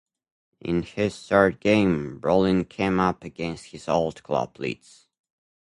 In his third game, Brolin came up against his old club Leeds.